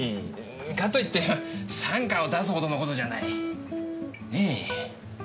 かといって三課を出すほどの事じゃない。ねぇ。